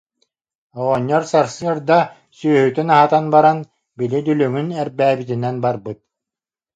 Оҕонньор сарсыарда сүөһүтүн аһатан баран, били дүлүҥүн эрбээбитинэн барбыт